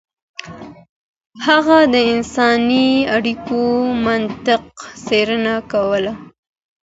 هغه د انساني اړيکو منظمه څېړنه کوله.